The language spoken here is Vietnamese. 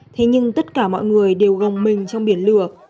thế nhưng tất cả mọi người đều gồng mình trong biển lửa